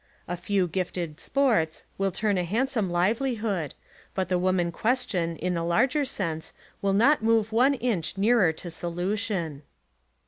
A few gifted "sports" will earn a handsome livelihood, but the woman question in the larger sense will not move one inch nearer to solution.